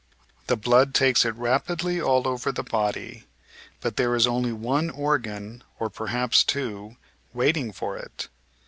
The blood takes it rapidly all over the body, but there is only one organ {or perhaps two) waiting for it.